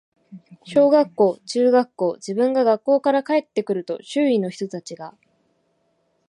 小学校、中学校、自分が学校から帰って来ると、周囲の人たちが、